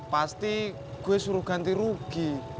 pasti gue suruh ganti rugi